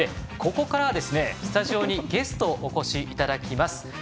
ここからはスタジオにゲスト、お越しいただきます。